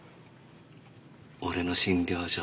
俺の診療所。